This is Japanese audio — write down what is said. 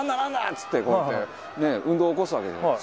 っつってこうやって運動を起こすわけじゃない。